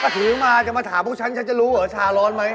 ถือมาจะมาถามพวกฉันฉันจะรู้เหรอชาร้อนไหม